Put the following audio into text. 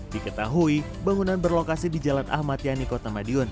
diketahui bangunan berlokasi di jalan ahmad yani kota madiun